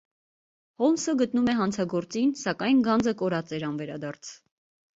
Հոլմսը գտնում է հանցագործին, սակայն գանձը կորած էր անվերադարձ։